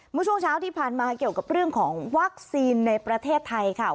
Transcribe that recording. เมื่อช่วงเช้าที่ผ่านมาเกี่ยวกับเรื่องของวัคซีนในประเทศไทยค่ะ